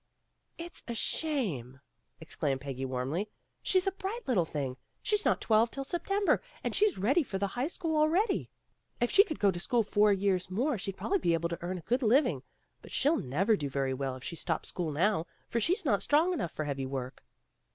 "It's a shame," exclaimed Peggy warmly. "She's a bright little thing. She's not twelve till September, and she's ready for the high school already. If she could go to school four years more she'd probably be able to earn a good living, but she '11 never do very well if she stops school now, for she's not strong enough for heavy work."